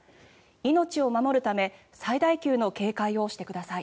命を守るため最大級の警戒をしてください。